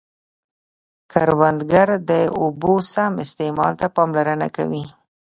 کروندګر د اوبو سم استعمال ته پاملرنه کوي